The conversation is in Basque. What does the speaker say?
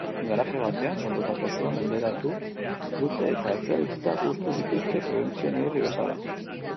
Garaje batean sortutako sua menderatu dute eta etxebizitzak hustu dituzte prebentzio-neurri bezala.